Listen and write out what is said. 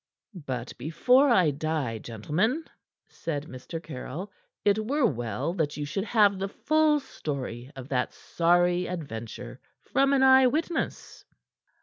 "But before I die, gentlemen," said Mr. Caryll, "it were well that you should have the full story of that sorry adventure from an eye witness."